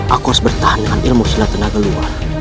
aku harus bertahan dengan ilmu silat tenaga luar